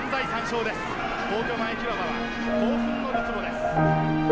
皇居前広場は興奮のるつぼです。